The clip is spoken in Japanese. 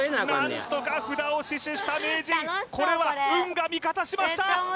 何とか札を死守した名人これは運が味方しました